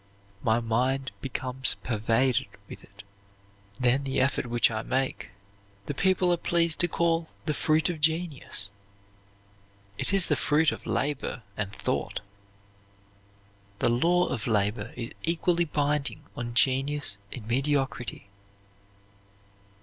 My mind becomes pervaded with it. Then the effort which I make the people are pleased to call the fruit of genius; it is the fruit of labor and thought." The law of labor is equally binding on genius and mediocrity.